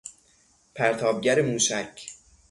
پرتابگر موشک